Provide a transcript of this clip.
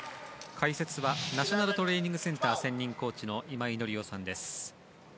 解説はナショナルトレーニングセンター専任コーチの今井紀夫さんです。